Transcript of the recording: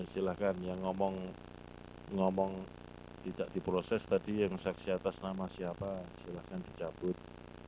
silahkan yang ngomong tidak diproses tadi yang saksi atas nama siapa silahkan dicabut